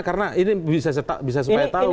karena ini bisa supaya tahu